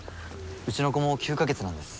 うちの子も９か月なんです。